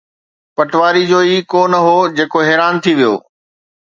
پٹواريءَ جو ئي ڪو نه هو، جيڪو حيران ٿي ويو.